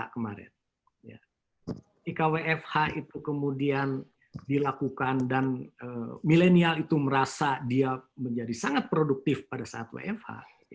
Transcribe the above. ketika wfh itu kemudian dilakukan dan milenial itu merasa dia menjadi sangat produktif pada saat wfh